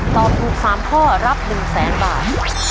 ตอบถูก๓ข้อรับ๑๐๐๐๐๐บาท